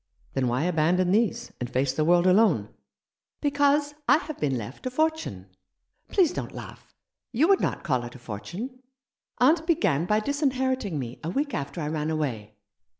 "Then why abandon these, and face the world alone?" "Because I have been left a fortune. Please don't laugh. You would not call it a fortune. Aunt began by disinheriting me a week after I ran away.